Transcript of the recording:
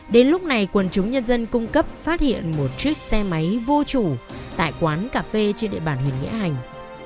đến lúc này quần chúng nhân dân cung cấp phát hiện một chiếc xe máy vô chủ tại quán cà phê trên địa bàn huyện nghĩa hành